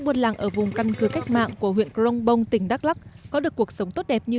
buôn làng ở vùng căn cứ cách mạng của huyện crong bông tỉnh đắk lắc có được cuộc sống tốt đẹp như